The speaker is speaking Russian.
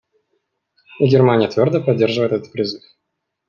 И Германия твердо поддерживает этот призыв.